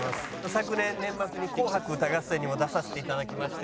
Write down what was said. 昨年年末に『紅白歌合戦』にも出させていただきまして。